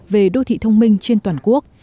về đô thị thông minh trên toàn quốc